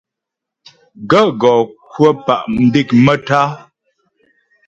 Gàə́ gɔ kwə̂ pá' mdék maə́tá'a.